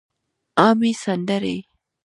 عامې سندرې